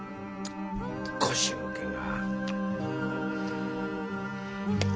腰抜けが。